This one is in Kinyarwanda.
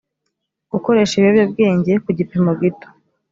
gukoresha ibiyobyabwenge ku gipimo gito